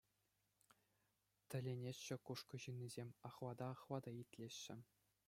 Тӗлӗнеҫҫӗ Кушкӑ ҫыннисем, ахлата-ахлата итлеҫҫӗ.